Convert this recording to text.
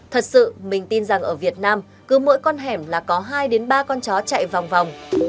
thật sự mình tin rằng ở việt nam cứ mỗi con hẻm là có hai ba con chó chạy vòng vòng